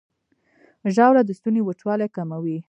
ژاوله د ستوني وچوالی کموي.